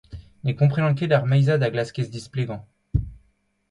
Ne gomprenan ket ar meizad a glaskez displegañ.